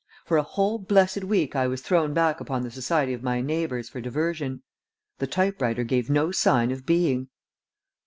For a whole blessed week I was thrown back upon the society of my neighbors for diversion. The type writer gave no sign of being.